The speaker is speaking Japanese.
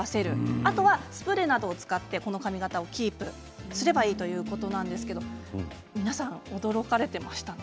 あとはスプレーなどを使ってこの髪形をキープすればいいということなんですけど皆さん、驚かれていましたね。